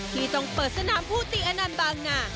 ที่ต้องเปิดสนามผู้ตีอนันต์บางนา